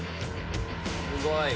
すごい。